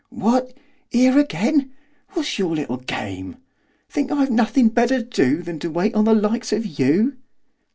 'What, here again! What's your little game? Think I've nothing better to do than to wait upon the likes of you?